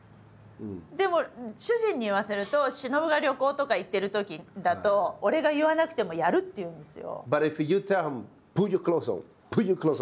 でも主人に言わせると「しのぶが旅行とか行ってるときだと俺が言わなくてもやる」って言うんですよ。